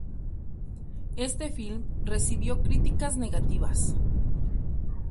Este film recibió críticas negativas.